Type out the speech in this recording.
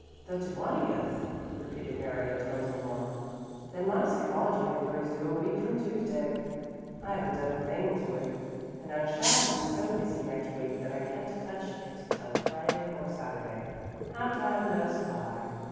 "The twentieth!" repeated Mary in tones of alarm. "Then, my psychology paper is due a week from Tuesday. I haven't done a thing to it, and I shall be so busy next week that I can't touch it till Friday or Saturday. How time does fly!"